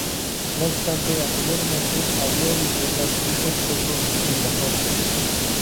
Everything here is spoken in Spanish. No obstante anteriormente había viviendas tipo chozos en la zona.